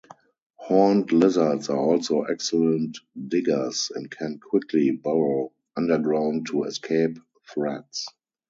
Horned lizards are also excellent diggers, and can quickly burrow underground to escape threats.